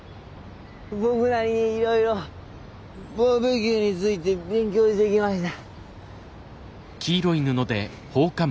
僕なりにいろいろバーベキューについて勉強してきました。